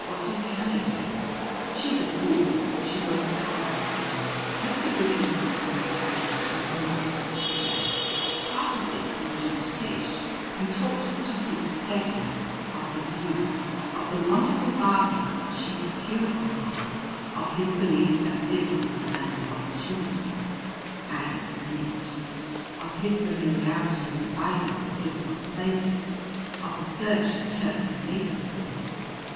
"What did Hannah do?" "She's a fool! She broke a cup on his head." Mr. Wiggins's anniversary was not a success. Part of this was due to Tish, who talked of Tufik steadily of his youth; of the wonderful bargains she secured from him; of his belief that this was the land of opportunity Aggie sniffed; of his familiarity with the Bible and Biblical places; of the search the Turks were making for him.